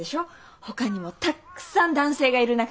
ほかにもたっくさん男性がいる中で。